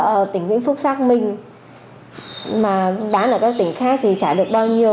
ở tỉnh vĩnh phúc xác minh mà bán ở các tỉnh khác thì trả được bao nhiêu